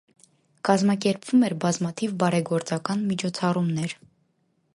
Կազմակերպում էր բազմաթիվ բարեգործական միջոցառումներ։